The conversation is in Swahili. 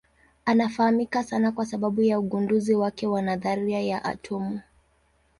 Anafahamika sana kwa sababu ya ugunduzi wake wa nadharia ya atomu.